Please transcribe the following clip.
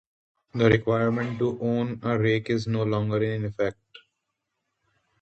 The requirement to own a rake is no longer in effect.